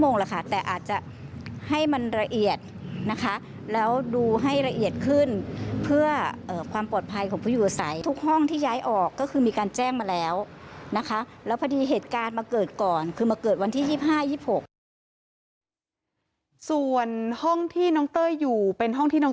นะคะแล้วดูให้ละเอียดขึ้นเพื่อความปลอดภัยของผู้อยู่ใส่ทุกห้องที่ย้ายออกก็คือมีการแจ้ง